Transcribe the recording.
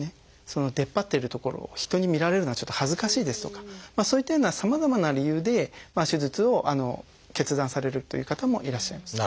その出っ張ってる所を人に見られるのはちょっと恥ずかしいですとかそういったようなさまざまな理由で手術を決断されるという方もいらっしゃいます。